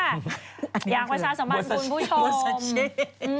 อย่างวัฒนศาสตร์สมบัติคุณผู้ชม